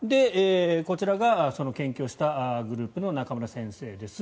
こちらがその研究をしたグループの中村先生です。